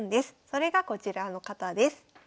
それがこちらの方です。